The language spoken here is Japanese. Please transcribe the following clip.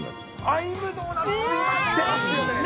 アイムドーナツ、きてますよね。